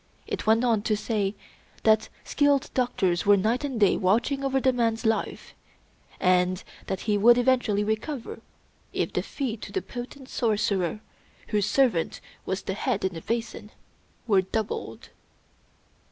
It went on to say that skilled doctors were night and day watching over the man's life; and that he would eventually recover if the fee to the potent sorcerer, whose servant was the head in the basin, were doubled.